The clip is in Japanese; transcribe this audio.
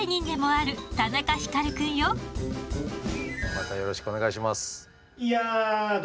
またよろしくお願いします。